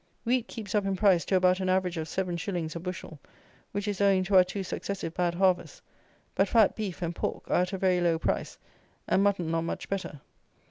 Wheat keeps up in price to about an average of seven shillings a bushel; which is owing to our two successive bad harvests; but fat beef and pork are at a very low price, and mutton not much better.